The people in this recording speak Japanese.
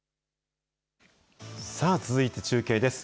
さあ、続いて中継です。